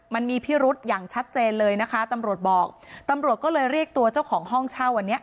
มันมีพิรุษอย่างชัดเจนเลยนะคะตำรวจบอกตำรวจก็เลยเรียกตัวเจ้าของห้องเช่าอันนี้